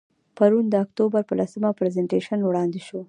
پرون د اکتوبر په لسمه، پرزنټیشن وړاندې شو.